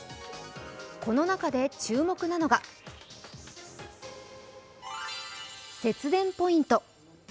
この中で注目なのが節電ポイント。